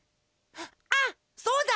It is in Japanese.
あっそうだ！